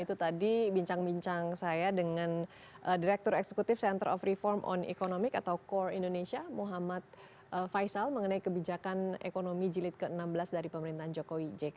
dan itu tadi bincang bincang saya dengan direktur eksekutif center of reform on economic atau core indonesia muhammad faisal mengenai kebijakan ekonomi jilid ke enam belas dari pemerintahan jokowi jk